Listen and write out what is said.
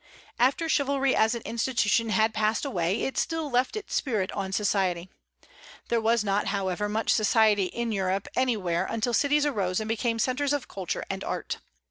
After chivalry as an institution had passed away, it still left its spirit on society. There was not, however, much society in Europe anywhere until cities arose and became centres of culture and art.